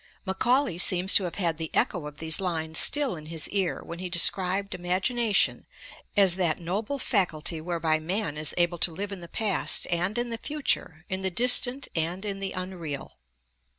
Macaulay seems to have had the echo of these lines still in his ear, when he described imagination as 'that noble faculty whereby man is able to live in the past and in the future, in the distant and in the unreal.'